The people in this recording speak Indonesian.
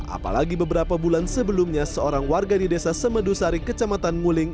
apalagi beberapa bulan sebelumnya seorang warga di desa semedusari kecamatan muling